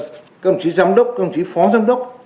các đồng chí giám đốc các ông chí phó giám đốc